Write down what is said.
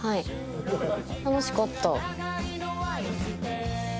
楽しかった。